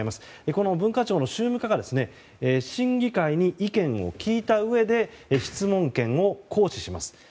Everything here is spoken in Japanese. この文化庁の宗務課が審議会に意見を聞いたうえで質問権を行使します。